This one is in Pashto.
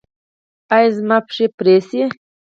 ایا زما پښې به پرې شي؟